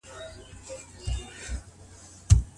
پوهان کولای سي نوې لارې چارې وړانديز کړي.